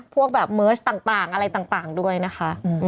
พวกแบบเมิร์ชต่างอะไรต่างด้วยนะคะ